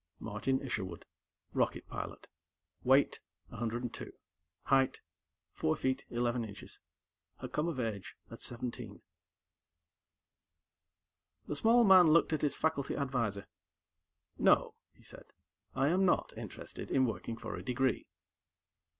Martin Isherwood, rocket pilot, weight 102, height 4', 11", had come of age at seventeen. The small man looked at his faculty advisor. "No," he said. "I am not interested in working for a degree."